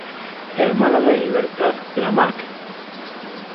Hermana de Libertad Lamarque.